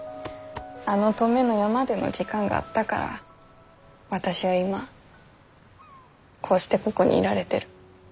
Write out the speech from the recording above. あの登米の山での時間があったから私は今こうしてここにいられてる。